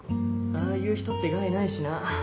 ああいう人って害ないしな。